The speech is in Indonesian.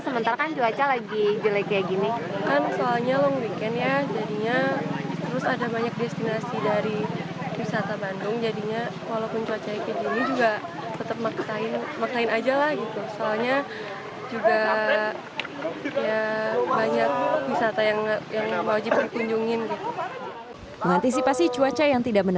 mengantisipasi cuaca yang tidak berbeda